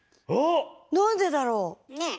なんでだろう⁉ねえ。